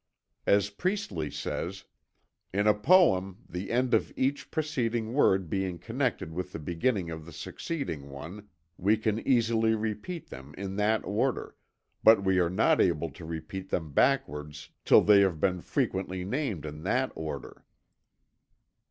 As Priestly says: "In a poem, the end of each preceding word being connected with the beginning of the succeeding one, we can easily repeat them in that order, but we are not able to repeat them backwards till they have been frequently named in that order."